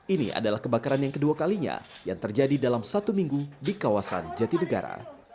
ini adalah kebakaran yang kedua kalinya yang terjadi dalam satu minggu di kawasan jatinegara